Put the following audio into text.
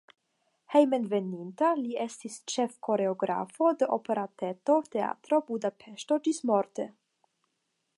Hejmenveninta li estis ĉefkoreografo de Operetoteatro (Budapeŝto) ĝismorte.